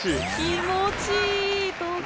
気持ちいい投球。